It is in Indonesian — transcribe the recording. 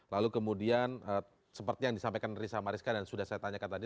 lalu kemudian seperti yang disampaikan risa mariska dan sudah saya tanyakan tadi